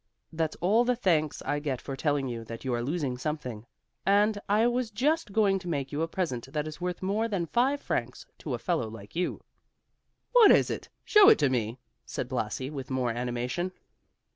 "That's all the thanks I get for telling you that you are losing something, and I was just going to make you a present that is worth more than five francs to a fellow like you." "What is it? Show it to me," said Blasi, with more animation.